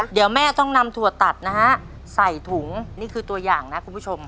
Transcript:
เดี๋ยวแม่ต้องนำถั่วตัดนะฮะใส่ถุงนี่คือตัวอย่างนะคุณผู้ชม